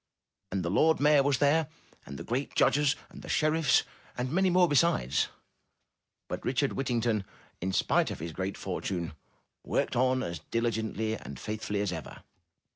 And the lord mayor was there, and the great judges, and the sheriffs, and many more besides. But Richard Whittington, in spite of his great for tune, worked on as diligently and faithfully as ever.